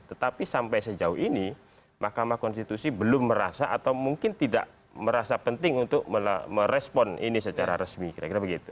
tetapi sampai sejauh ini mahkamah konstitusi belum merasa atau mungkin tidak merasa penting untuk merespon ini secara resmi kira kira begitu